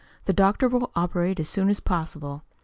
The doctor will operate as soon as possible.